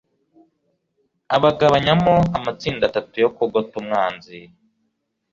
abagabanyamo amatsinda atatu yo kugota umwanzi